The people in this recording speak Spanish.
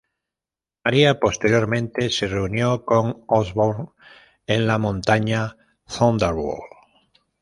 Maria posteriormente se reunió con Osborn en la Montaña Thunderbolt.